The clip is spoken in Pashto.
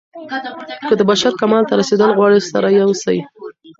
که د بشر کمال ته رسېدل غواړئ سره يو سئ.